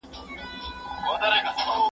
زه به اوږده موده سبزیحات وچولي وم!؟